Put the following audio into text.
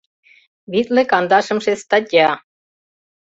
Витле кандашымше статья!